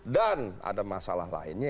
dan ada masalah lainnya